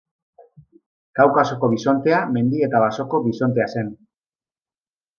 Kaukasoko bisontea mendi eta basoko bisontea zen.